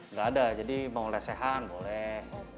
nggak ada jadi mau lesehan boleh